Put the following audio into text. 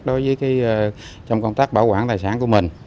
đối với trong công tác bảo quản tài sản của mình